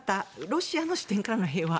ロシアの視点からの平和